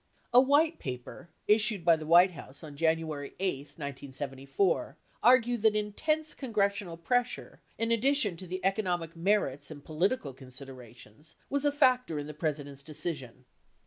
A White Paper issued by the White House on January 8, 1974, 54 argued that intense Congressional pressure, in addition to the eco nomic merits and political considerations, was a factor in the Presi dent's decision.